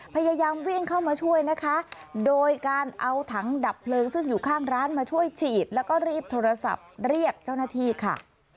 พยายามวิ่งเข้ามาช่วยนะคะโดยการเอาถังดับเพลิงซึ่งอยู่ข้างร้านมาช่วยฉีดแล้วก็รีบโทรศัพท์เรียกเจ้าหน้าที่ค่ะ